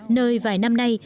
nơi vài năm nay